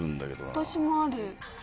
私もある。